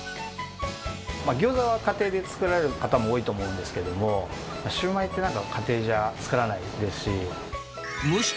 ギョーザは家庭で作られる方も多いと思うんですけれども、シューマイってなんか、家庭じゃ作らないですし。